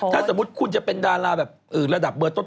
ถ้าสมมุติคุณจะเป็นดาราแบบระดับเบอร์ต้น